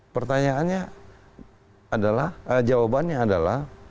pertanyaannya adalah jawabannya adalah